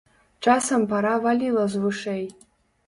Часам пара валіла з вушэй!